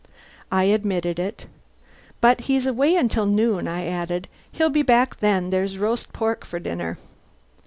I admitted it. "But he's away until noon," I added. "He'll be back then. There's roast pork for dinner."